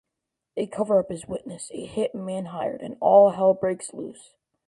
A coverup is witnessed, a hit man hired, and all hell breaks loose.